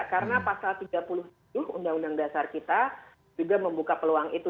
karena pasal tiga puluh tujuh undang undang dasar kita juga membuka peluang itu